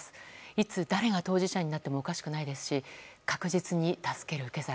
いつ誰が当事者になってもおかしくないですし確実に助ける受け皿